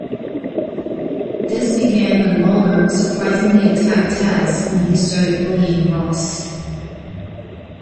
This began when Lawler surprisingly attacked Tazz when he started bullying Ross.